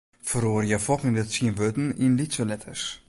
Feroarje folgjende tsien wurden yn lytse letters.